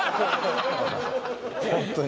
ホントに。